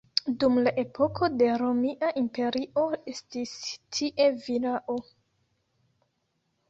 Dum la epoko de Romia Imperio estis tie vilao.